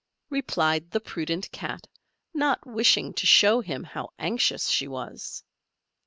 replied the prudent Cat, not wishing to show him how anxious she was.